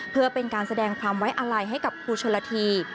เพื่อเป็นการแสดงความไว้อาลัยให้กับครูชนละที